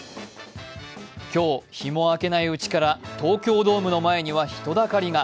今日、日も明けないうちから東京ドームの前には人だかりが。